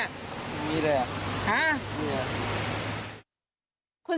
อีกมีเลย